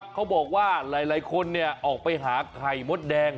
เขาบอกว่าหลายคนเนี่ยออกไปหาไข่มดแดง